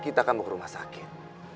kita akan mau ke rumah sakit